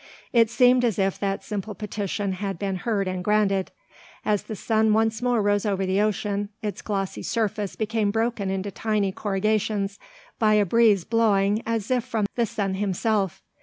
It seemed as if that simple petition had been heard and granted. As the sun once more rose over the ocean, its glossy surface became broken into tiny corrugations by a breeze blowing as if from the sun himself.